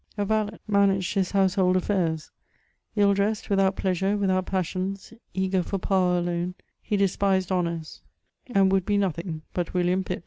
A valet managed his household afiairs. Ill* dressed, without pleasure, without passions, eager for power alone, he despised honours, and would be nothing but William PiU.